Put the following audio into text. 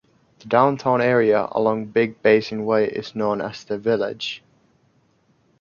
The downtown area along Big Basin Way is known as the Village.